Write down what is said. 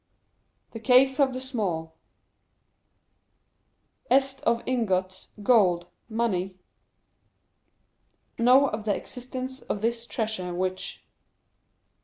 the caves of the small ...essed of ingots, gold, money, ...know of the existence of this treasure, which